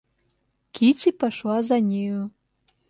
Кити пошла за нею.